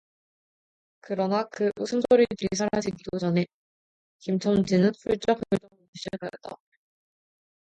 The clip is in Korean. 그러나 그 웃음 소리들이 사라도 지기 전에 김첨지는 훌쩍훌쩍 울기 시작하였다.